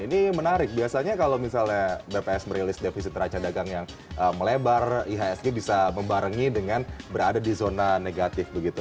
ini menarik biasanya kalau misalnya bps merilis defisit raca dagang yang melebar ihsg bisa membarengi dengan berada di zona negatif begitu